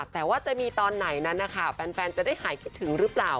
แต่ว่าจะมีตอนไหนนั้นนะคะแฟนจะได้หายคิดถึงหรือเปล่า